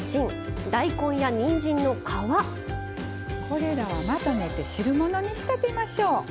これらはまとめて汁物に仕立てましょう。